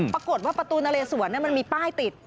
ปรากฏว่าประตูนะเรสวรมันมีป้ายติด